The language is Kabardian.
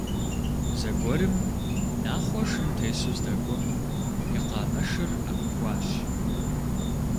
Зэгуэрым, Нахъуэ шым тесу здэкӏуэм, и къамышыр ӏэпыхуащ.